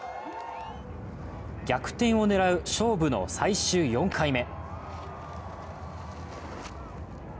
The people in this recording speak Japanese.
逆転を狙う勝負の最終４回目。